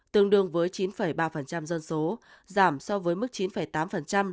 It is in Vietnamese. tương đương với chín ba dân số giảm so với mức chín tám năm hai nghìn hai mươi hai